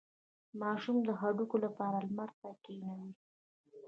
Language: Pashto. د ماشوم د هډوکو لپاره لمر ته کینوئ